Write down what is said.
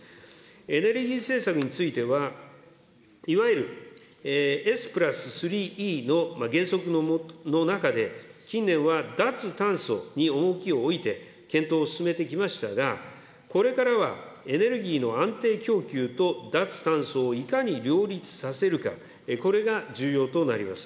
エネルギー政策については、いわゆるえすぷらすすりーいーの原則の中で、近年は脱炭素に重きを置いて、検討を進めてきましたが、これからは、エネルギーの安定供給と脱炭素をいかに両立させるか、これが重要となります。